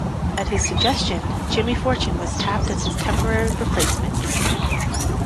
At his suggestion, Jimmy Fortune was tapped as his temporary replacement.